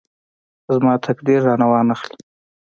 زما تقدیر رانه واخلي.